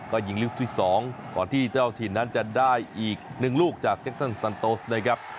ก็ยิงลูกที่๒ก่อนที่เจ้าถิ่นนั้นจะได้อีก๑ลูกจากเจ็กซันซันโตสนะครับ